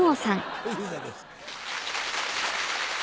小遊三です。